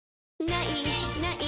「ない！ない！